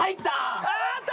あっと！